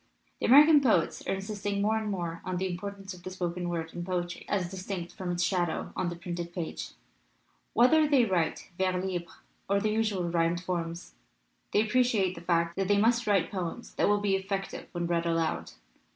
The American poets are insisting more and more on the importance of the spoken word in poetry, as distinct from its shadow on the printed page. Whether they write vers libre or the usual rhymed forms, they appreciate the fact that they must write poems that will 307 LITERATURE IN THE MAKING be effective when read aloud.